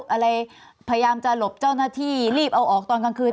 อะไรพยายามจะหลบเจ้าหน้าที่รีบเอาออกตอนกลางคืน